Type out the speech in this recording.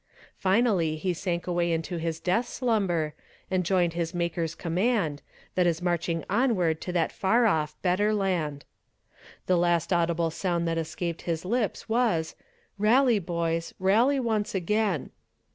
Finally he sank away into his death slumber, and joined his Maker's command, that is marching onward to that far off, better land. The last audible sound that escaped his lips was, 'Rally boys, rally once again!'